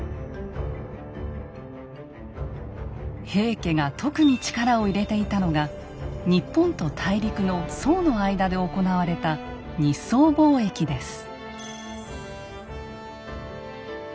平家が特に力を入れていたのが日本と大陸の宋の間で行われた日宋貿易です。